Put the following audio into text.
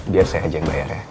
biar saya ajeng bayar ya